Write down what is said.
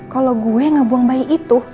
kalau gue yang ngebuang bayi itu